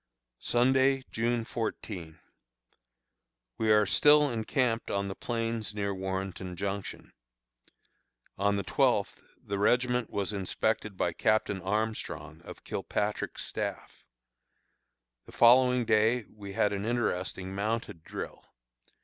Sunday, June 14. We are still encamped on the plains near Warrenton Junction. On the twelfth the regiment was inspected by Captain Armstrong, of Kilpatrick's staff. The following day we had an interesting mounted drill.